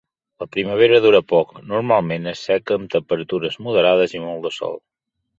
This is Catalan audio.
La primavera dura poc, normalment és seca amb temperatures moderades i molt de sol.